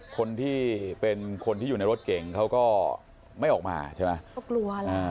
คนที่เป็นคนที่อยู่ในรถเก่งเขาก็ไม่ออกมาใช่ไหมก็กลัวแหละ